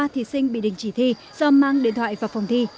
ba thí sinh bị đình chỉ thi do mang điện thoại vào phòng thi